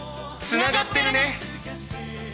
つながってるね！